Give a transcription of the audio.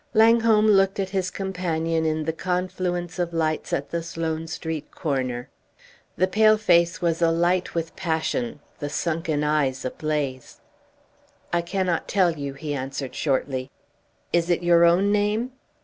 Langholm looked at his companion in the confluence of lights at the Sloane Street corner. The pale face was alight with passion, the sunken eyes ablaze. "I cannot tell you," he answered, shortly. "Is it your own name?"